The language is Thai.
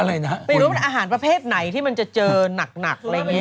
ไม่รู้มันอาหารประเภทไหนที่มันจะเจอหนักอะไรอย่างนี้